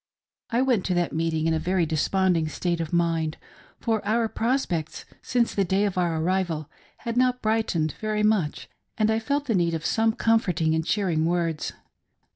I went to that meeting in a very desponding state of mind, for our prospects since the day of our arrival had not brightened very much, and I felt the need of some comfort ing and cheering words.